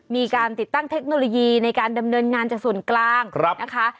มีการติดตั้งเทคโนโลยีในการดำเนินงานจากส่วนกลางนะคะ